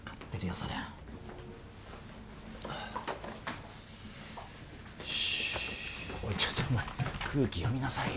そりゃちょっとお前空気読みなさいよ